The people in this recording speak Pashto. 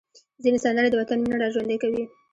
ځینې سندرې د وطن مینه راژوندۍ کوي.